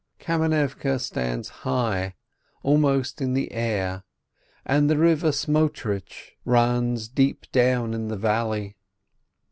Kamenivke stands high, almost in the air, and the river Smotritch runs deep down in the valley.